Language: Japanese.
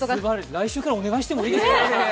来週からお願いしてもいいですか？